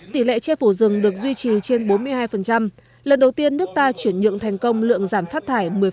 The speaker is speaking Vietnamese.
tỷ lệ che phủ rừng được duy trì trên bốn mươi hai lần đầu tiên nước ta chuyển nhượng thành công lượng giảm phát thải một mươi